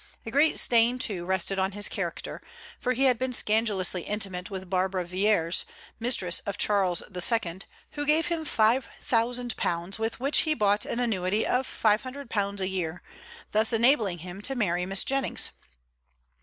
A great stain, too, rested on his character; for he had been scandalously intimate with Barbara Villiers, mistress of Charles II., who gave him £5000, with which he bought an annuity of £500 a year, thus enabling him to marry Miss Jennings.